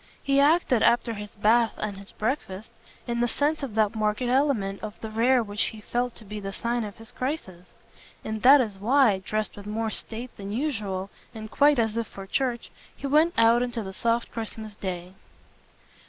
He acted, after his bath and his breakfast, in the sense of that marked element of the rare which he felt to be the sign of his crisis. And that is why, dressed with more state than usual and quite as if for church, he went out into the soft Christmas day.